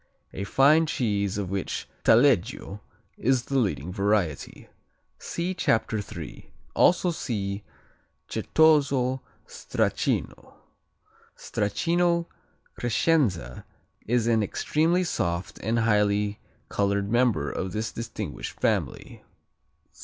A fine cheese of which Taleggio is the leading variety. See in Chapter 3. Also see Certoso Stracchino. Stracchino Crescenza is an extremely soft and highly colored member of this distinguished family.